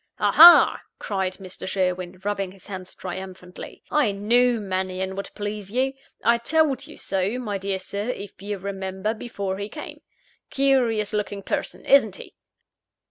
"Aha!" cried Mr. Sherwin, rubbing his hands triumphantly "I knew Mannion would please you. I told you so, my dear Sir, if you remember, before he came. Curious looking person isn't he?"